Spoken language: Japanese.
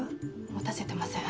持たせてません。